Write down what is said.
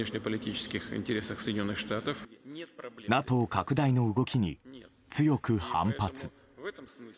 ＮＡＴＯ拡大の動きに強く反発。